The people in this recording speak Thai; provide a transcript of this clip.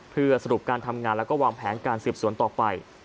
เพื่อสรุปการทำงานแล้วก็วางแผนการสืบสวนต่อไป